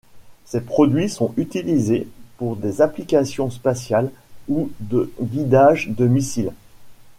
Ces produits sont utilisés pour des applications spatiales ou de guidage de missile.